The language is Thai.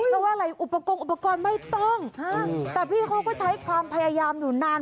แล้วว่าอะไรอุปกรณ์อุปกรณ์ไม่ต้องฮะแต่พี่เขาก็ใช้ความพยายามอยู่นาน